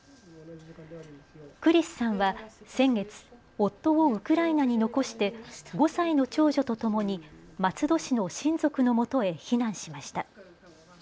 クリスさんは先月、夫をウクライナに残して５歳の長女とともに松戸市の親族のもとへ避難しました。